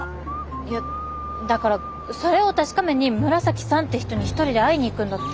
いやだからそれを確かめに紫さんって人に一人で会いに行くんだって。